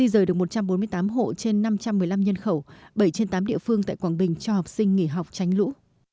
di rời được một trăm bốn mươi tám hộ trên năm trăm một mươi năm nhân khẩu bảy trên tám địa phương tại quảng bình cho học sinh nghỉ học tránh lũ